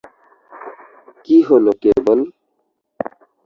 কী হলো কেবল?